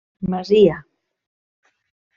Masia.